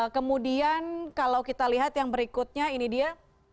kemudian kalau kita lihat yang berikutnya ini dia